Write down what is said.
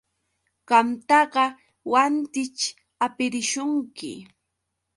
Qamtaqa wantićh hapirishunki.